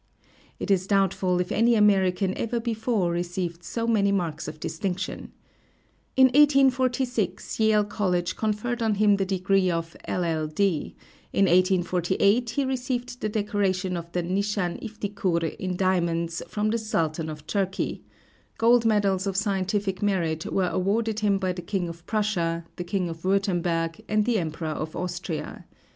It is doubtful if any American ever before received so many marks of distinction. In 1846 Yale College conferred on him the degree of LL.D.; in 1848 he received the decoration of the Nishan Iftikur in diamonds from the Sultan of Turkey; gold medals of scientific merit were awarded him by the king of Prussia; the king of Wurtemberg, and the Emperor of Austria.